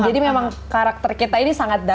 jadi memang karakter kita ini sangat dark mask